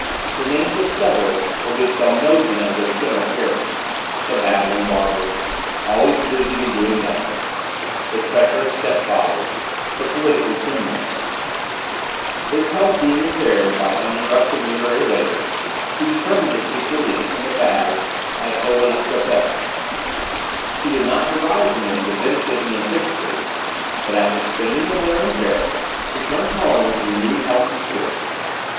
The names of several will give some notion of their general character The Babbling Barber; Always Busy and Doing Nothing; The Treacherous Step father; The Political Tinman. His health being impaired by unintermitted literary labor, he determined to seek relief from the baths of Aix la Chapelle. He did not derive from them the benefit he anticipated, but, after spending the winter in Paris, returned home with renewed health and spirits.